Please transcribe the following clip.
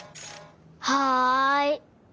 はい。